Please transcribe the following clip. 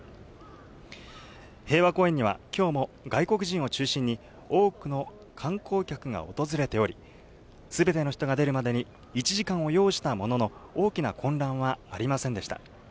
平和公園にはきょうも、外国人を中心に多くの観光客が訪れており、すべての人が出るまでに、１時間を要したものの、大きな混乱はありませんでした。